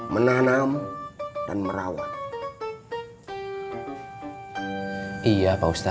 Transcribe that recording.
menanam dan merawat